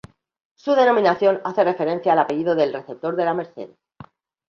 Su denominación hace referencia al apellido del receptor de la merced.